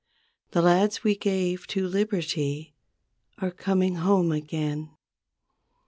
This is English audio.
The lads we gave to Liberty Are coming home again.